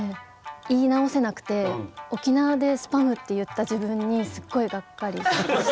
言い直せなくて沖縄で「スパム」って言った自分にすごいがっかりして。